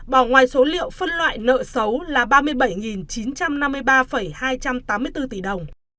bỏ ngoài số liệu phân loại nợ xấu là ba mươi bảy chín trăm năm mươi ba hai trăm tám mươi bốn tỷ đồng